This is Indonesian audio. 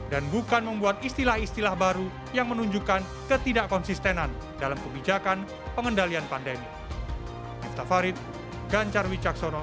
dan bukan membuat istilah istilah baru yang menunjukkan ketidakkonsistenan dalam kebijakan pengendalian pandemi